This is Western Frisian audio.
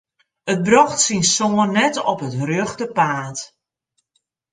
It brocht syn soan net op it rjochte paad.